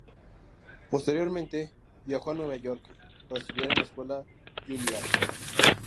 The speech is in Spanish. Posteriormente viajó a Nueva York para estudiar en la Escuela Juilliard.